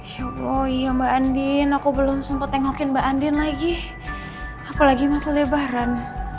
ya allah iya mbak andien aku belum sempet tengokin mbak andien lagi apalagi masa lebaran